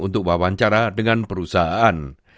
untuk wawancara dengan perusahaan